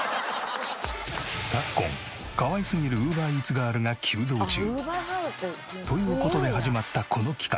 昨今かわいすぎるＵｂｅｒＥａｔｓガールが急増中。という事で始まったこの企画。